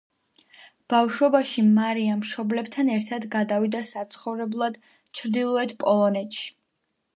ბავშვობაში მარია, მშობლებთან ერთად გადავიდა საცხოვრებლად ჩრდილოეთ პოლონეთში.